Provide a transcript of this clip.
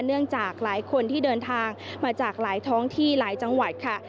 เนื่องจากหลายคนที่เดินทางมาจากหลายท้องที่หลายจังหวัดค่ะ